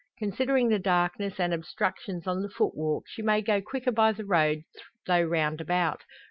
Considering the darkness and obstructions on the footwalk she may go quicker by the road though roundabout.